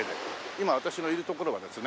今私のいる所はですね